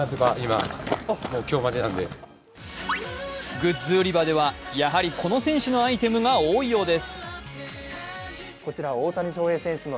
グッズ売り場ではやはりこの選手のアイテムが多いようです。